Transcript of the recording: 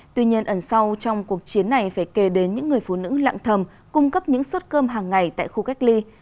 tuy nhiên ẩn sau trong cuộc chiến này phải kề đến những người phụ nữ lạng thầm cung cấp những suất cơm hàng ngày tại khu cách ly